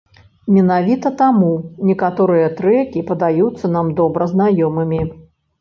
Менавіта таму некаторыя трэкі падаюцца нам добра знаёмымі.